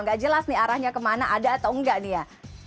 tidak jelas arahnya kemana ada atau tidak ya